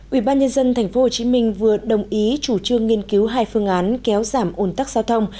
ủy ban nhân dân tp hcm vừa đồng ý chủ trương nghiên cứu hai phương án kéo giảm ồn tắc giao thông